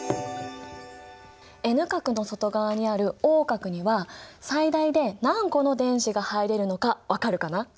Ｎ殻の外側にあるＯ殻には最大で何個の電子が入れるのか分かるかな？